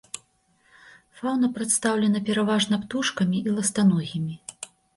Фаўна прадстаўлена пераважна птушкамі і ластаногімі.